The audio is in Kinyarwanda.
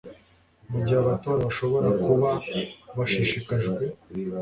Mu gihe abatora bashobora kuba bashishikajwe